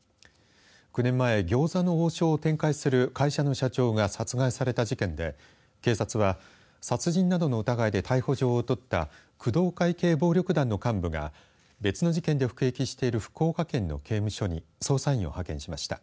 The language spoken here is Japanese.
９年前、餃子の王将を展開する会社の社長が殺害された事件で警察は殺人などの疑いで逮捕状を取った工藤会系暴力団の幹部が別の事件で服役している福岡県の刑務所に捜査員を派遣しました。